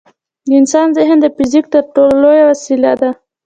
د انسان ذهن د فزیک تر ټولو لوی وسیله ده.